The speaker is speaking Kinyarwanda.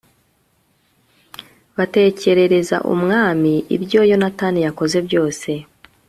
batekerereza umwami ibyo yonatani yakoze byose